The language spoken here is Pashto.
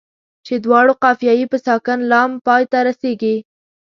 چې دواړو قافیه یې په ساکن لام پای ته رسيږي.